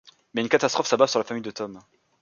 Mais une catastrophe s'abat sur la famille de Tom.